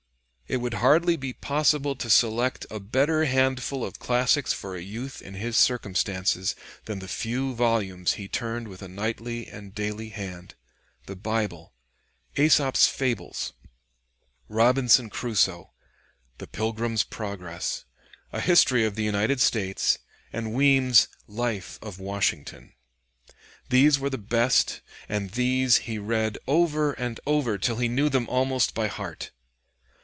It would hardly be possible to select a better handful of classics for a youth in his circumstances than the few volumes he turned with a nightly and daily hand the Bible, "Aesop's Fables," "Robinson Crusoe," "The Pilgrim's Progress," a history of the United States, and Weem's "Life of Washington." These were the best, and these he read over and over till he knew them almost by heart.